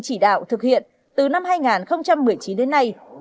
chỉ đạo thực hiện từ năm hai nghìn một mươi chín đến nay